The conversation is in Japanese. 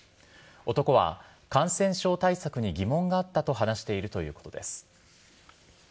男は感染症対策に疑問があったと話しているということです。